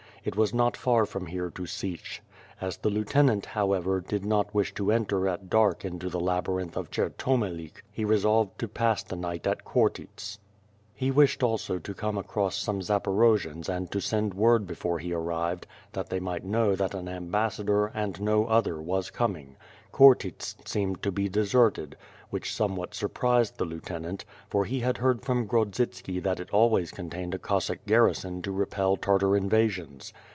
It was not far from here to Sich. As the lieutenant, how^ever, did not wish to enter at dark into the labyrinth of Cherto melik, he resolved to pass the night at Khortyts. He wished also to come across some Zaporojians and to send word before he arrived, that they might know that an ambassador, and no other, was coming. Khortyts seemed to be deserted, which somewhat surprised the lieutenant, for he had heard from Grodzitski that it ahvays contained a Cos sack garrison to repel Tartar invasions.